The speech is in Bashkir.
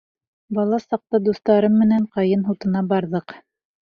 Бала саҡта дуҫтарым менән ҡайын һутына барҙыҡ.